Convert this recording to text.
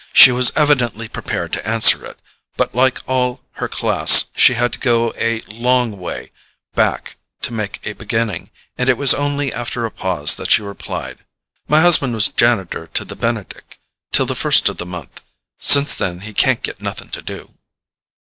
She was evidently prepared to answer it, but like all her class she had to go a long way back to make a beginning, and it was only after a pause that she replied: "My husband was janitor to the Benedick till the first of the month; since then he can't get nothing to do."